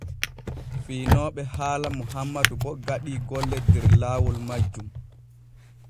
Fiinooɓe haala Mohammadu bo gaɗii golle der laawol majjum.